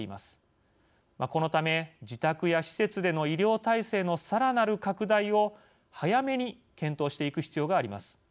このため自宅や施設での医療体制のさらなる拡大を早めに検討していく必要があります。